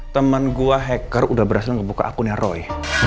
temen gue hacker udah berhasil ngebuka akunnya roy